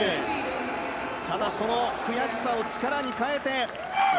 ただその悔しさを力に変えて。